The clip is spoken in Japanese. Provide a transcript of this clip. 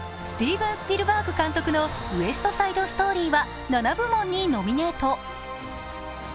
スティーブン・スピルバーグ監督の「ウエスト・サイド・ストーリー」は７部門にノミネート。